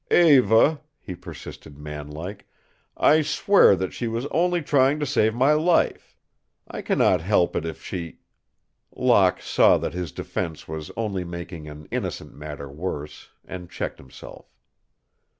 "Eva," he persisted, manlike, "I swear that she was only trying to save my life. I cannot help it if she " Locke saw that his defense was only making an innocent matter worse, and checked himself.